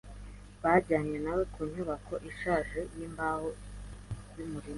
Bajyanye na we ku nyubako ishaje yimbaho hafi yumurima.